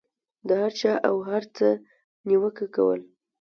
د هر چا او هر څه نیوکه کول.